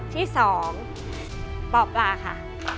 ที่๒ป่อปลาค่ะ